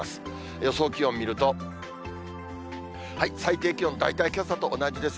予想気温見ると、最低気温、大体けさと同じですね。